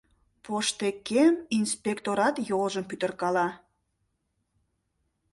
Поштекем инспекторат йолжым пӱтыркала.